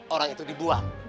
orang itu dibuang